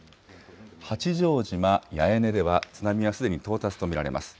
八丈島八重根では津波はすでに到達と見られます。